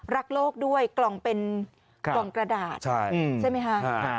รักโลกด้วยกล่องเป็นกล่องกระดาษใช่ไหมคะ